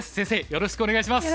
よろしくお願いします。